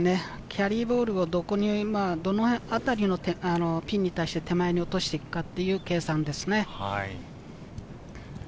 キャリーボールをどのあたりのピンに対して手前に落としていくかという計算ですね。